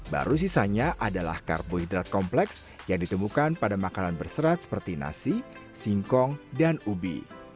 baru sisanya adalah karbohidrat kompleks yang ditemukan pada makanan berserat seperti nasi singkong dan ubi